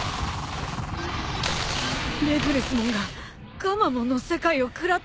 レグルスモンがガンマモンの世界を食らって。